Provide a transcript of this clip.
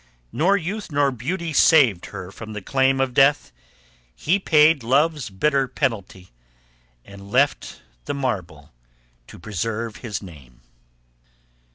Nor youth nor beauty saved her from the claim Of death; he paid love's bitter penalty, And left the marble to preserve his name.